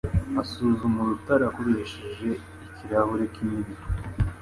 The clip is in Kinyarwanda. asuzuma urutare akoresheje ikirahure kinini.